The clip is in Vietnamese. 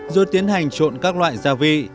rồi tiến hành trộn các loại gia vị